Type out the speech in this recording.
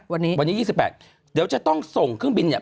วันนี้วันนี้๒๘เดี๋ยวจะต้องส่งเครื่องบินเนี่ย